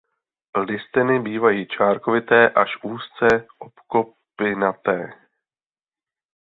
Listeny bývají čárkovité až úzce obkopinaté.